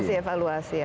masih evaluasi ya